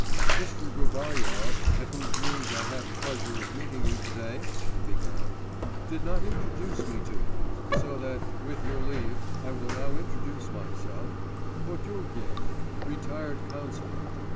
V 'Mr. Gubaryov, at whose rooms I had the pleasure of meeting you to day,' he began, 'did not introduce me to you; so that, with your leave, I will now introduce myself Potugin, retired councillor.